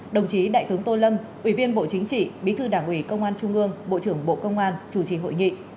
đồng chí đại tướng tô lâm ủy viên bộ chính trị bí thư đảng ủy công an trung ương bộ trưởng bộ công an chủ trì hội nghị